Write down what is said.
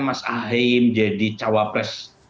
mas ahim jadi cawapres